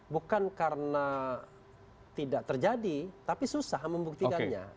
bukan karena tidak terjadi tapi susah membuktikannya